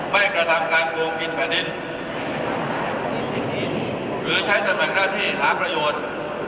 ไม่กระทำการโกงกินแผ่นดินหรือใช้สมัยกล้าที่หาประโยชน์